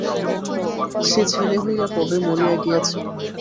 সে ছেলে হইয়া তবে মরিয়া গিয়াছে?